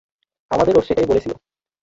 আমাদেরও সেটাই বলেছিল।